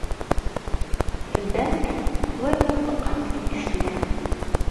Teddamt war ma tbeqqamt-iyi sslam.